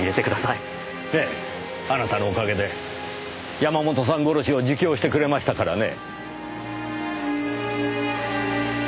ええあなたのおかげで山本さん殺しを自供してくれましたからね。